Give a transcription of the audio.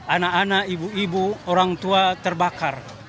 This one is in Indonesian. anak anak ibu ibu orang tua terbakar